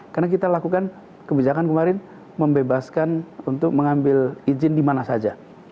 karena itu kan kebijakan kemarin membebaskan untuk mengambil izin dimana saja